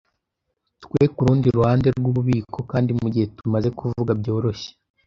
twe kurundi ruhande rwububiko, kandi mugihe tumaze kuvuga byoroshye